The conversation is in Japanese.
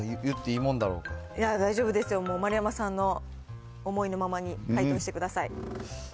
いや、大丈夫ですよ、丸山さんの思いのままに回答してください。